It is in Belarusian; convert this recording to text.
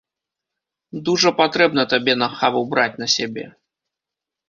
Дужа патрэбна табе нахабу браць на сябе!